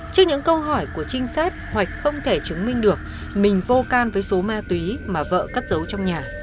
trước những câu hỏi của trinh sát hoạch không thể chứng minh được mình vô can với số ma túy mà vợ cất giấu trong nhà